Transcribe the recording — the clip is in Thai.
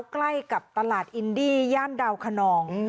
ใกล้กับตลาดอินดี้ย่านดาวขนอง